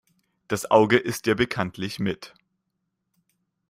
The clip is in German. Das Auge isst ja bekanntlich mit.